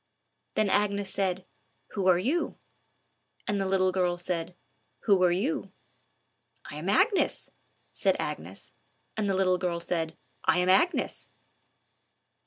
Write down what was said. Then Agnes said, "Who are you?" And the little girl said, "Who are you?" "I am Agnes," said Agnes; and the little girl said, "I am Agnes."